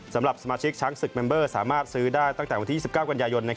สำหรับสมาชิกช้างศึกเมมเบอร์สามารถซื้อได้ตั้งแต่วันที่๒๙กันยายน